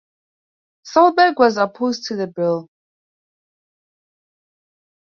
Solberg was opposed to the bill.